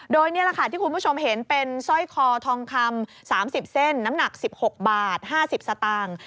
โดยนี่แหละค่ะที่คุณผู้ชมเห็นเป็นสร้อยคอทองคำ๓๐เส้นน้ำหนัก๑๖บาท๕๐สตางค์